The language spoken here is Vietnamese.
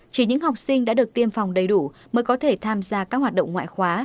chỉ những học sinh đã được tiêm phòng đầy đủ mới có thể tham gia các hoạt động ngoại khóa